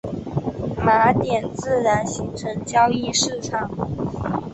马甸自然形成交易市场。